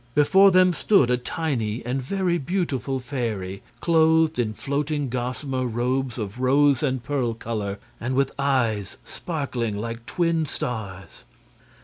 Before them stood a tiny and very beautiful fairy, clothed in floating gossamer robes of rose and pearl color, and with eyes sparkling like twin stars.